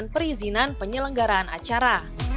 dan diperoleh pelayanan perizinan penyelenggaraan acara